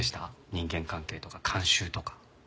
人間関係とか慣習とか。